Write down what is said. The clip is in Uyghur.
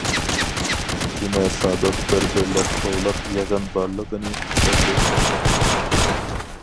جۈمە سادىق بىر-بىرلەپ توۋلاپ يىغىن بارلىقىنى ئۇقتۇردى.